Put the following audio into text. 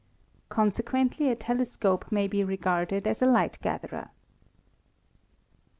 Conse quently a telescope may be regarded as a light gatherer.